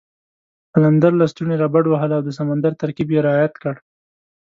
قلندر لسټوني را بډ وهل او د سمندر ترکیب یې رعایت کړ.